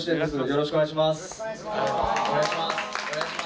よろしくお願いします。